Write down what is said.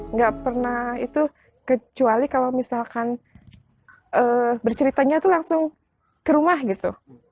nggak pernah itu kecuali kalau misalkan berceritanya itu langsung ke rumah gitu